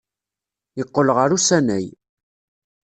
Yeqqel ɣer usanay.